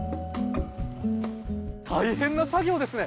大変な作業ですね。